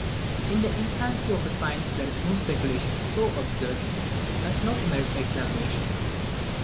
In the infancy of a science there is no speculation so absurd as not to merit examination.